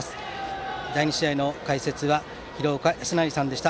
第２試合の解説は廣岡資生さんでした。